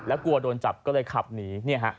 แล้วกลัวโดนจับก็เลยขับหนี